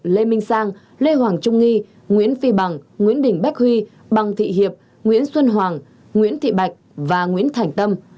lê minh sang lê hoàng trung nghi nguyễn phi bằng nguyễn đình bách huy bằng thị hiệp nguyễn xuân hoàng nguyễn thị bạch và nguyễn thành tâm